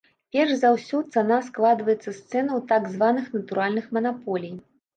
Перш за ўсё, цана складваецца з цэнаў так званых натуральных манаполій.